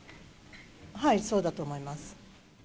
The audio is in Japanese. はい、そうだと思います。